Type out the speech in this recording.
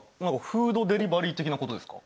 フードデリバリー的なことですか？